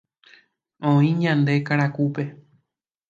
oĩ ñande karakúpe